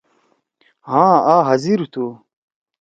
ہاں آ حاضر تُھو۔